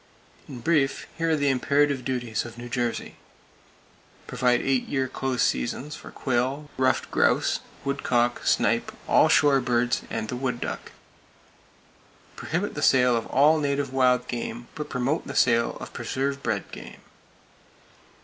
In brief, here are the imperative duties of New Jersey: Provide eight year close seasons for quail, ruffed grouse, woodcock, snipe, all shore birds and the wood duck. Prohibit the sale of all native wild game; but promote the sale of preserve bred game.